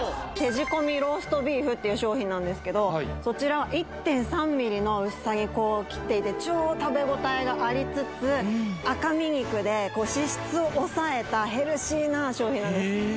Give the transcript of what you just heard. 仕込みローストビーフっていう商品なんですけどそちら１．３ｍｍの薄さに切っていて超食べ応えがありつつ赤身肉で脂質を抑えたヘルシーな商品なんです